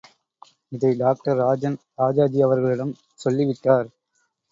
இதை டாக்டர் ராஜன், ராஜாஜி அவர்களிடம் சொல்லி விட்டார்.